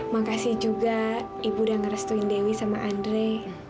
makasih juga ibu udah ngerestuin dewi sama andre